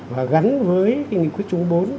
và gắn với cái nghị quyết chống bốn